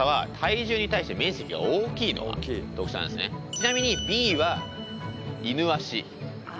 ちなみにＢはイヌワシ。